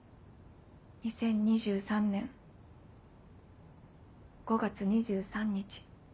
２０２３年５月２３日。